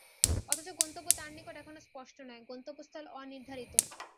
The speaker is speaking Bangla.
অথচ গন্তব্য তার নিকট এখনো স্পষ্ট নয়, গন্তব্যস্থল অনির্ধারিত।